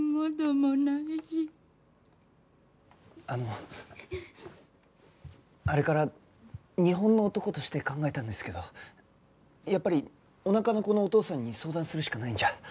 あのあれから日本の男として考えたんですけどやっぱりおなかの子のお父さんに相談するしかないんじゃ。